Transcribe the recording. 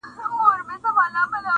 زه تر ده سم زوروري لوبي کړلای.!